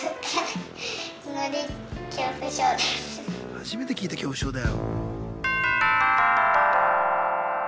初めて聞いた恐怖症だよ。